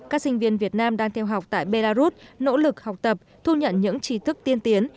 các sinh viên việt nam đang theo học tại belarus nỗ lực học tập thu nhận những trí thức tiên tiến